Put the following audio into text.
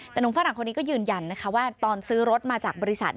แต่หนุ่มฝรั่งคนนี้ก็ยืนยันนะคะว่าตอนซื้อรถมาจากบริษัท